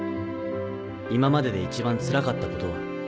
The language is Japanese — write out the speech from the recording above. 今までで一番つらかったことは？